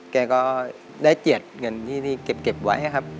แกก็ได้เจียดเงินที่เก็บไว้ครับ